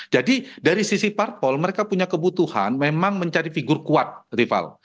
jadi dari sisi part pol mereka punya kebutuhan memang mencari figur kuat tifal